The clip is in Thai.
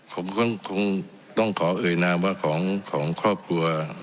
ผมก็คงต้องขอเอ่ยนามว่าของครอบครัว